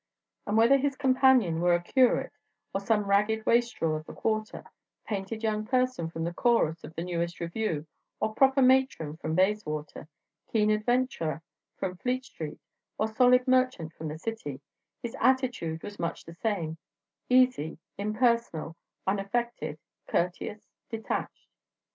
And whether his companion were a curate or some ragged wastrel of the quarter; painted young person from the chorus of the newest revue or proper matron from Bayswater; keen adventurer from Fleet Street or solid merchant from the City, his attitude was much the same: easy, impersonal, unaffected, courteous, detached.